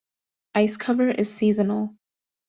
Ice-cover is seasonal.